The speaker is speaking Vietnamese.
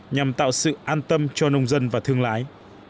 nhằm tạo sự an tâm cho nông dân và thương lái